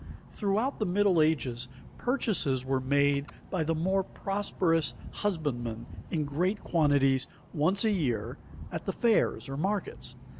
Throughout the Middle Ages purchases were made by the more prosperous husbandmen in great quantities once a year at the fairs or markets.